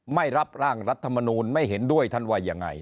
ไม่รับร่างรัฐมนูลไม่เห็นด้วยท่านว่ายังไง